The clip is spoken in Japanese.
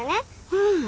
うん。